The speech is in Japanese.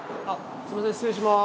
すみません失礼します。